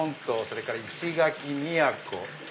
それから石垣宮古。